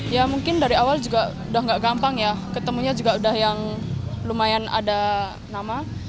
ya mungkin dari awal juga udah gak gampang ya ketemunya juga udah yang lumayan ada nama